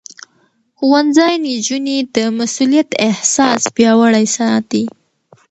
ښوونځی نجونې د مسؤليت احساس پياوړې ساتي.